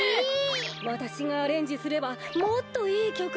わたしがアレンジすればもっといいきょくになる。